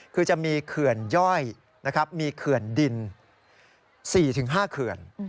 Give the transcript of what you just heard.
คือจะมีเขื่อนย่อยนะครับมีเขื่อนดิน๔๕เขื่อน